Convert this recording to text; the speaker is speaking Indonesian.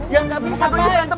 ya nggak bisa berantem